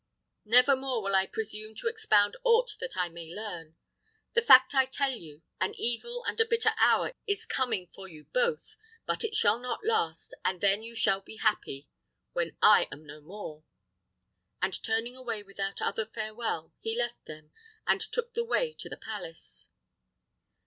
Never more will I presume to expound aught that I may learn. The fact I tell you: an evil and a bitter hour is coming for you both, but it shall not last, and then you shall be happy when I am no more." And turning away without other farewell, he left them, and took the way to the palace.